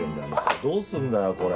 どうすんだよこれ！